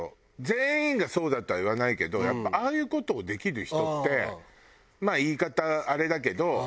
全員がそうだとは言わないけどやっぱああいう事をできる人ってまあ言い方あれだけどちょっと。